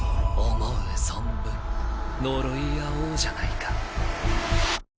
思う存分呪い合おうじゃないか。